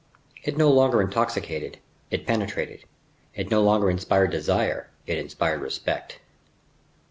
It no longer intoxicated, it penetrated; it no longer inspired desire, it inspired respect.